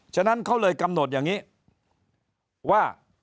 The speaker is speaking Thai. ฉะนั้นเขาเลยกำหนดอย่างนี้ว่า